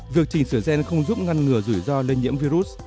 việc chỉnh sửa gen không giúp ngăn ngừa rủi ro lây nhiễm virus